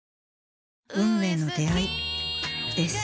運命の出会いです。